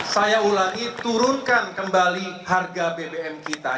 saya ulangi turunkan kembali harga bbm kita